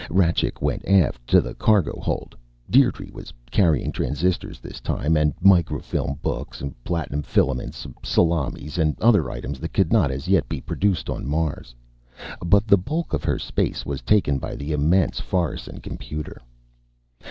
Rajcik went aft to the cargo hold. Dierdre was carrying transistors this time, and microfilm books, platinum filaments, salamis, and other items that could not as yet be produced on Mars. But the bulk of her space was taken by the immense Fahrensen Computer.